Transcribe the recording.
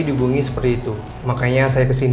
dibungi seperti itu makanya saya kesini